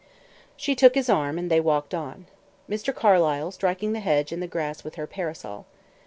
She took his arm, and they walked on, Mr. Carlyle striking the hedge and the grass with her parasol.